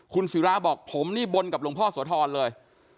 คุณศิลาบอกผมนี่บ้นกับลงพ่อสวทรเลย